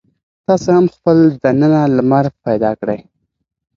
تاسې هم خپل دننه لمر پیدا کړئ.